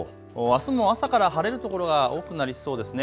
あすも朝から晴れる所が多くなりそうですね。